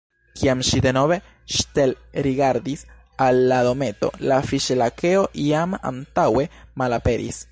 Kiam ŝi denove ŝtelrigardis al la dometo, la Fiŝ-Lakeo jam antaŭe malaperis.